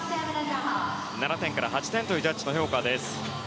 ７点から８点というジャッジの評価です。